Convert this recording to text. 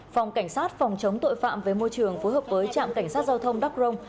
phòng cảnh sát phòng chống tội phạm với môi trường phối hợp với trạm cảnh sát giao thông đắk rông